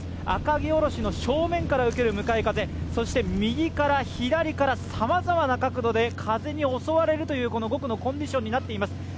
赤城おろしの正面から受ける向かい風、右から左からさまざまな角度で風に襲われるという５区のコンディションになっています。